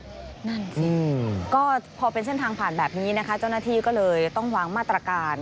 นั่นสิก็พอเป็นเส้นทางผ่านแบบนี้นะคะเจ้าหน้าที่ก็เลยต้องวางมาตรการ